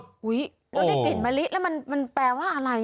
แล้วได้กลิ่นมะลิแล้วมันแปลว่าอะไร